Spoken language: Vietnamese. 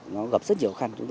nó gặp rất nhiều khăn